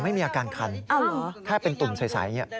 แต่ไม่มีอาการคันแค่เป็นตุ่มใสอย่างนี้